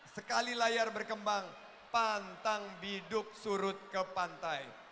sekali layar berkembang pantang biduk surut ke pantai